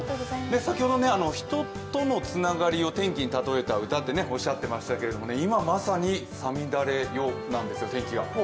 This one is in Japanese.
先ほど人とのつながりを天気に例えた歌っておっしゃっていましたが、今、まさに「五月雨よ」なんですよ、天気が。